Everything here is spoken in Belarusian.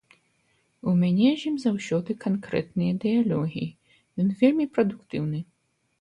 У мяне з ім заўсёды канкрэтныя дыялогі, ён вельмі прадуктыўны.